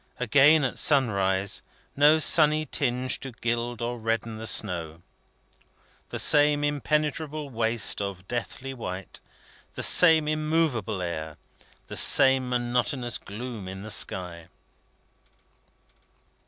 Again at sunrise, no sunny tinge to gild or redden the snow. The same interminable waste of deathly white; the same immovable air; the same monotonous gloom in the sky.